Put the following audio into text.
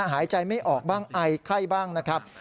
หายใจไม่ออกบ้างไอไข้บ้างนะครับ